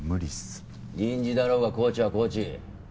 臨時だろうがコーチはコーチ。